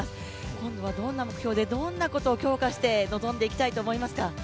今度はどんな目標で、どんなことを強化して臨んでいきたいと思いますか？